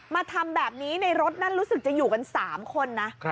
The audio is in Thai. มาทำแบบนี้ในรถนั้นรู้สึกจะอยู่กัน๓คนนะ